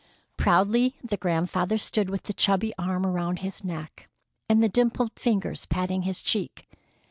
Proudly the grandfather stood with the chubby arm around his neck and the dimpled fingers patting his cheek.